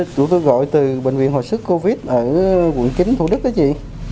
chị ơi chúng tôi gọi từ bệnh viện hồi sức covid ở quận chín thủ đức đó chị